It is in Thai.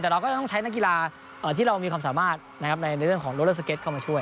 แต่เราก็จะต้องใช้นักกีฬาที่เรามีความสามารถในเรื่องของโลเลอร์สเก็ตเข้ามาช่วย